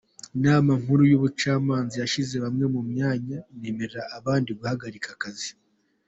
Inama Nkuru y’Ubucamanza yashyize bamwe mu myanya inemerera abandi guhagarika akazi